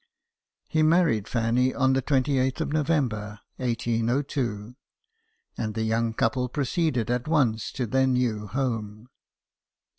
He married Fanny on the 28th of November, 1802 ; and the young couple proceeded at once to their new home.